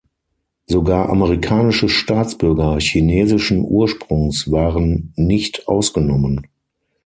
Sogar amerikanische Staatsbürger chinesischen Ursprungs waren nicht ausgenommen.